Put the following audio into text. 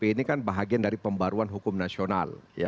ini kan bahagian dari pembaruan hukum nasional